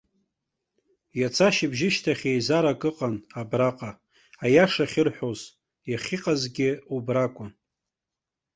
Иац ашьыбжьышьҭахь еизарак ыҟан абраҟа, аиаша ахьырҳәоз, иахьыҟазгьы убра акәын.